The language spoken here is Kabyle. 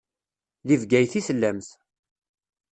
Deg Bgayet i tellamt.